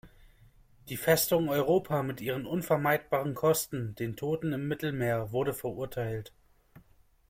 Die Festung Europa mit ihren unvermeidbaren Kosten, den Toten im Mittelmeer, wurde verurteilt.